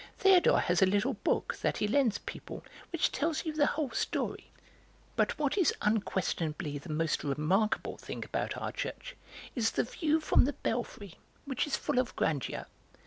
Théodore has a little book, that he lends people, which tells you the whole story. "But what is unquestionably the most remarkable thing about our church is the view from the belfry, which is full of grandeur.